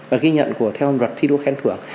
và ghi nhận của theo luật thi đua khen thưởng